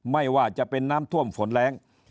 ไม่ว่าจะเป็นน้ำท่วมฝนแรง